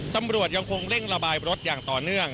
ตำรวจยังคงเร่งระบายรถอย่างต่อเนื่อง